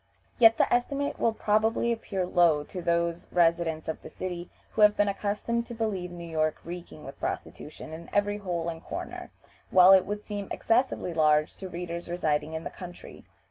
Yet the estimate will probably appear low to those residents of the city who have been accustomed to believe New York reeking with prostitution in every hole and corner, while it will seem excessively large to readers residing in the country.